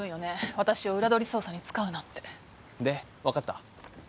私を裏取り捜査に使うなんて。で分かった？